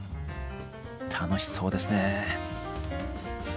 楽しそうですね。